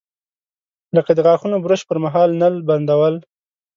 لکه د غاښونو برش پر مهال نل بندول.